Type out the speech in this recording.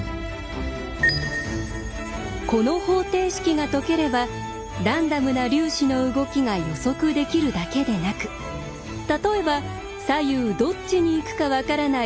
この方程式が解ければランダムな粒子の動きが予測できるだけでなく例えば左右どっちに行くか分からない